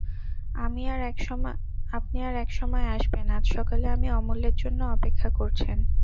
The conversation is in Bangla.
আপনি আর-এক সময় আসবেন, আজ সকালে আমি– অমূল্যের জন্যে অপেক্ষা করছেন?